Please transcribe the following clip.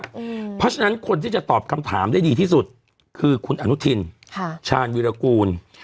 เพราะฉะนั้นคนที่จะตอบคำถามได้ดีที่สุดคือคุณอนุทินชาญวิรากูล